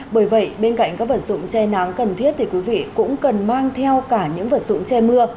bởi vậy bên cạnh các vật dụng che nắng cần thiết thì quý vị cũng cần mang theo cả những vật dụng che mưa